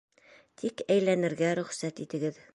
Тик әйләнергә рөхсәт итегеҙ!